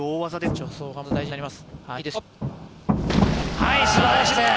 助走がまず大事になります。